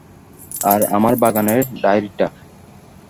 আর আমার বাগানের ডায়রিটা।